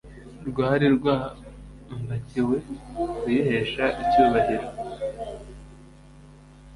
rwari rwambakiwe kuyihesha icyubahiro.